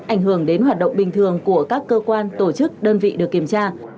ảnh hưởng đến hoạt động bình thường của các cơ quan tổ chức đơn vị được kiểm tra